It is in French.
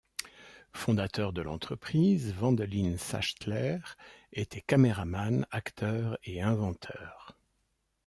Fondateur de l’entreprise, Wendelin Sachtler était caméraman, acteur et inventeur.